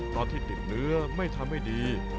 ตอนที่ติดเนื้อไม่ทำให้ดี